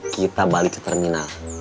kita balik ke terminal